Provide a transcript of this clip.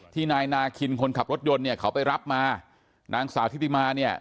นายนาคินคนขับรถยนต์เนี่ยเขาไปรับมานางสาวทิติมาเนี่ย